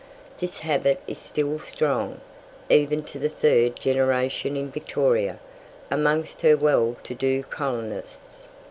This habit is still strong, even to the third generation in Victoria, amongst her well to do colonists.